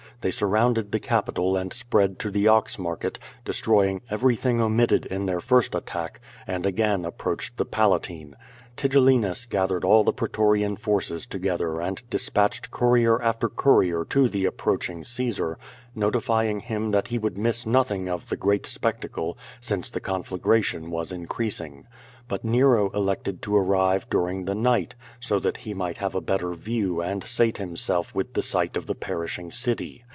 They surrounded the Capitol and spread to the Ox Market, destroying everything omitted in their first attack, and again approached the Palatine. Ti gellinus gathered all the pretorian forces together and des patched courier after courier to the approaching Caesar noti fying him that he would miss nothing of the great spectacle, since the conflagration was increasing. But Nero elected to arrive during the night, so that he might have a better view, and sate himself with the sight of the perishing city.